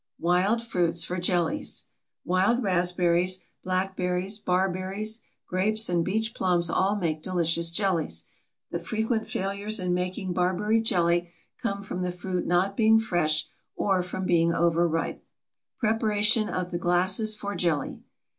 WILD FRUITS FOR JELLIES. Wild raspberries, blackberries, barberries, grapes, and beach plums all make delicious jellies. The frequent failures in making barberry jelly come from the fruit not being fresh or from being overripe. PREPARATION OF THE GLASSES FOR JELLY.